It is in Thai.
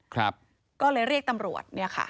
ก็เลยเรียกตำรวจ